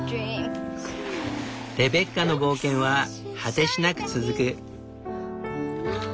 「レベッカの冒険」は果てしなく続く。